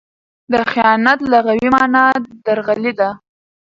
د خیانت لغوي مانا؛ درغلي ده.